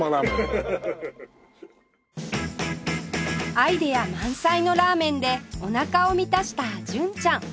アイデア満載のラーメンでおなかを満たした純ちゃん